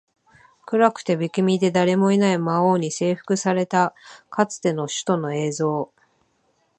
暗くて、不気味で、誰もいない魔王に征服されたかつての首都の映像